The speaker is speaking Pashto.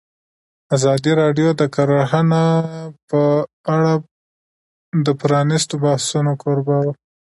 ازادي راډیو د کرهنه په اړه د پرانیستو بحثونو کوربه وه.